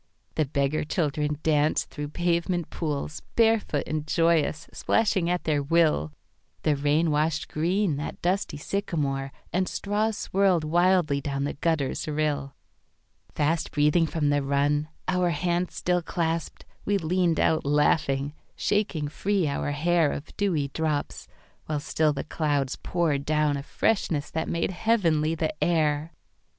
The beggar children danced through pavement poolsBarefoot and joyous, splashing at their will; The rain washed green that dusty sycamoreAnd straws swirled wildly down the gutter's rill. Fast breathing from the run, our hands still clasped, We leaned out laughing, shaking free our hairOf dewy drops, while still the clouds poured downA freshness that made heavenly the air.